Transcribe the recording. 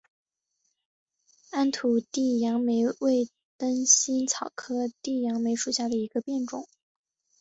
安图地杨梅为灯心草科地杨梅属下的一个变种。